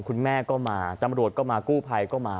คุณแม่ก็มาตำรวจก็มากู้ภัยก็มา